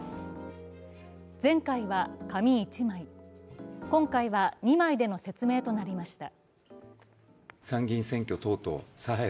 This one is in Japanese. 前回は紙１枚、今回は２枚での説明となりました。